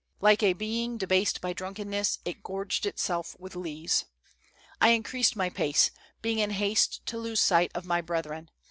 Like a being debased by drunkenness, it gorged itself with lees. ''I increased my pace, being in haste to lose sight of my brethren.